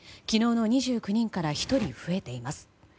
昨日の２９人から１人増えています。